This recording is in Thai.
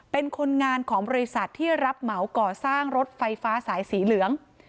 เป็นคนงานของบริษัทที่รับเหมาก่อสร้างรถไฟฟ้าสายสีเหลือง